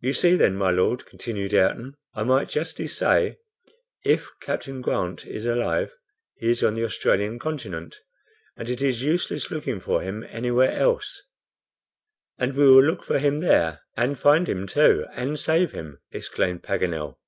"You see, then, my Lord," continued Ayrton, "I might justly say, If Captain Grant is alive, he is on the Australian continent, and it is useless looking for him anywhere else." "And we will look for him there, and find him too, and save him," exclaimed Paganel.